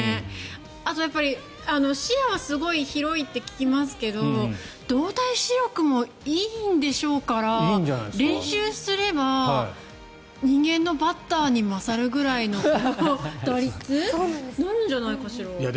あとやっぱり、視野はすごい広いって聞きますけど動体視力もいいんでしょうから練習すれば人間のバッターに勝るぐらいの打率になるんじゃないかしら。